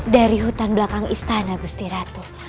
dari hutan belakang istana gusti ratu